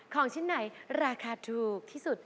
ใครตอบค่ะ